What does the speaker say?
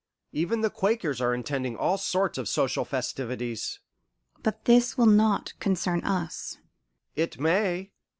Even the Quakers are intending all sorts of social festivities." "But this will not concern us." "It may.